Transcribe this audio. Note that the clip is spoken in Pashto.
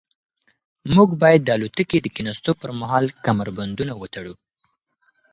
موږ باید د الوتکې د کښېناستو پر مهال کمربندونه وتړو.